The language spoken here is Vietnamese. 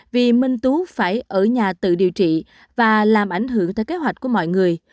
vì minh tú phải ở nhà tự điều trị và làm ảnh hưởng tới kế hoạch của mọi người